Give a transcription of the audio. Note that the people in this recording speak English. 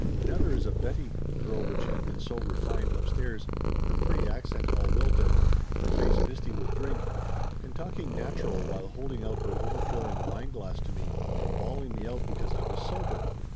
Another is of Betty, the girl which had been so re fined upstairs, her pretty accent all wilted, her face misty with drink, and talking natural while holding out her overflowing wineglass to me and bawling me out because I was sober.